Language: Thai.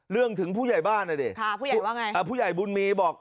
เรื่องถึงผู้ใหญ่บ้านอ่ะเดียวค่ะผู้ใหญ่ว่าไงอ่ะผู้ใหญ่บุญมีบอก